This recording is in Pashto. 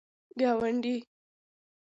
گاونډی